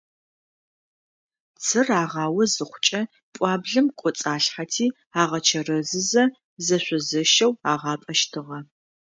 Цыр агъао зыхъукӏэ, пӏуаблэм кӏоцӏалъхьэти, агъэчэрэзызэ зэшъо-зэщэу агъапӏэщтыгъэ.